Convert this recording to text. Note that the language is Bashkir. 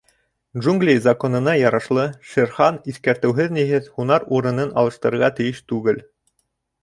— Джунгли Законына ярашлы, Шер Хан иҫкәртеүһеҙ-ниһеҙ һунар урынын алыштырырға тейеш түгел.